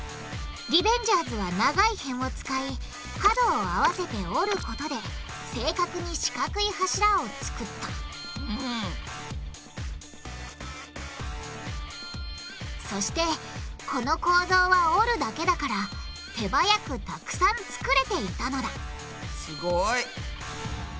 リベンジャーズは長い辺を使い角を合わせて折ることで正確に四角い柱を作ったそしてこの構造は折るだけだから手早くたくさん作れていたのだすごい！